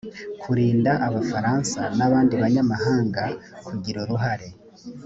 kurinda abafaransa n abandi banyamahanga kugira uruhare